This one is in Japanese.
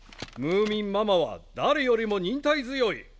ムーミンママは誰よりも忍耐強い。